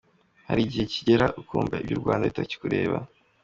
hari igihe kigera ukumva iby’u Rwanda bitakikureba.